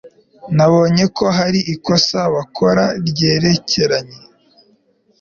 Nabonye ko hari ikosa bakora ryerekeranye